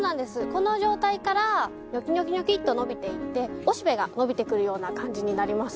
この状態からニョキニョキニョキっと伸びていっておしべが伸びてくるような感じになります。